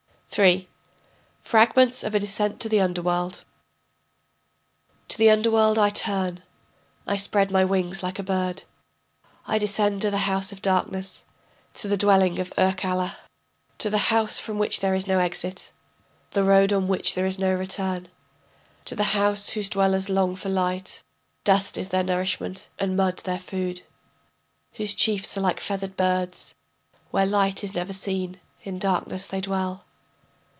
] III. FRAGMENTS OF A DESCENT TO THE UNDERWORLD To the underworld I turn, I spread my wings like a bird, I descend to the house of darkness, to the dwelling of Irkalla, To the house from which there is no exit, The road on which there is no return, To the house whose dwellers long for light, Dust is their nourishment and mud their food, Whose chiefs are like feathered birds, Where light is never seen, in darkness they dwell.